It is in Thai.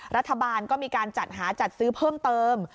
รัฐบาลก็มีการจัดหาจัดซื้อเพิ่มเติม